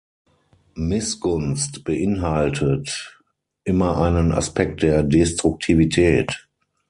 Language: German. Missgunst beinhaltet immer einen Aspekt der Destruktivität.